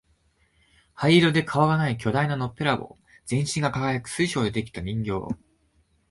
灰色で顔がない巨大なのっぺらぼう、全身が輝く水晶で出来た人形、